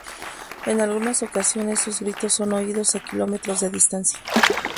En algunas ocasiones, sus gritos son oídos a kilómetros de distancia.